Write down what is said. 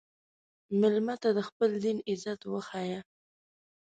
مېلمه ته د خپل دین عزت وښیه.